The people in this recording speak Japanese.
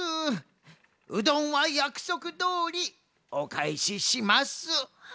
うどんはやくそくどおりおかえしします。